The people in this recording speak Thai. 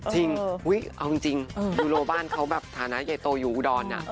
จริงเอาจริงยูโรบ้านเขาแบบฐานะใหญ่โตอยู่อุดร